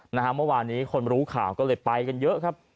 เมื่อวานนี้คนรู้ข่าวก็เลยไปกันเยอะครับ